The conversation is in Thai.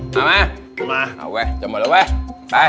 ไปไปไปไป